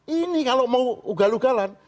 ini kalau mau ugal ugalan